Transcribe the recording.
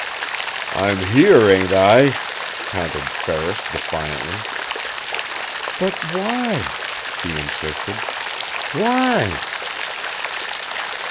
"I'm here, ain't I?" countered Ferris defiantly. "But why?" she insisted. "WHY?"